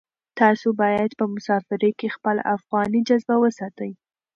تاسو باید په مسافرۍ کې خپله افغاني جذبه وساتئ.